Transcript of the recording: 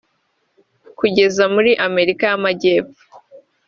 kugeza muri Amerika y’Amajyepfo